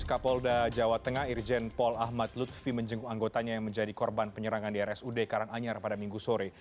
kapolda jawa tengah irjen paul ahmad lutfi menjenguk anggotanya yang menjadi korban penyerangan di rsud karanganyar pada minggu sore